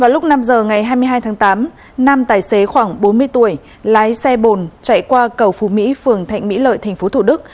lúc năm giờ ngày hai mươi hai tháng tám nam tài xế khoảng bốn mươi tuổi lái xe bồn chạy qua cầu phú mỹ phường thạnh mỹ lợi tp thủ đức